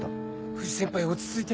藤先輩落ち着いて！